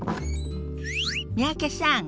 三宅さん